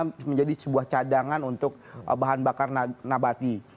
bisa menjadi sebuah cadangan untuk bahan bakar nabati